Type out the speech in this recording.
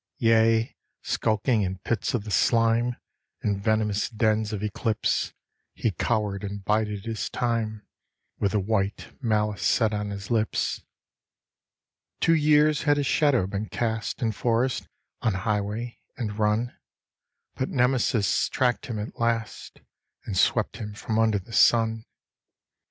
Yea, skulking in pits of the slime in venomous dens of eclipse He cowered and bided his time, with the white malice set on his lips. Two years had his shadow been cast in forest, on highway, and run; But Nemesis tracked him at last, and swept him from under the sun.